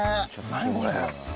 何これ？